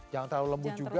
jangan terlalu lembut juga